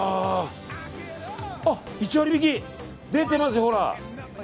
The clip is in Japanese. あ、１割引き！出てますよ。